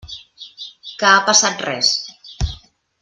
Que ha passat res?